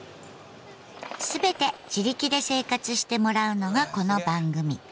全て自力で生活してもらうのがこの番組。